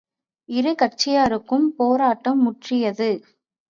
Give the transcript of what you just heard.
இரு கட்சியாருக்கும் போராட்டம் முற்றியது.